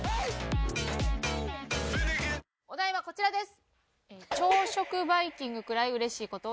お題はこちらです。